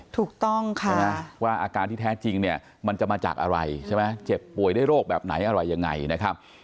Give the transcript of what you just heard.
ถูกต้องค่ะว่าอาการที่แท้จริงเนี่ยมันจะมาจากอะไรใช่ไหมเจ็บป่วยด้วยโรคแบบไหนอะไรยังไงนะครับ